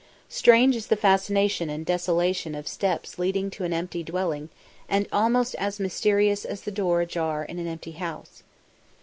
Strange is the fascination and desolation of steps leading to an empty dwelling and almost as mysterious as the door ajar in an empty house.